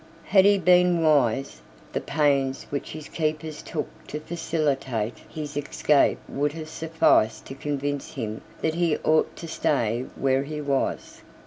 Had he been wise, the pains which his keepers took to facilitate his escape would have sufficed to convince him that he ought to stay where he was.